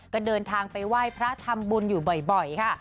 ก็เดินทางไปไหว้พระทำบุญอยู่บ่อยค่ะ